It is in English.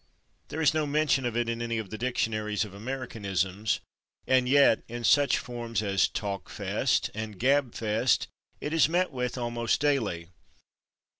There is no mention of it in any of the dictionaries of Americanisms, and yet, in such forms as /talk fest/ and /gabfest/ it is met with almost daily.